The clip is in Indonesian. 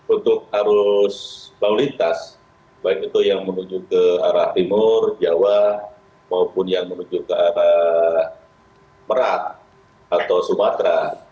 untuk arus lalu lintas baik itu yang menuju ke arah timur jawa maupun yang menuju ke arah merak atau sumatera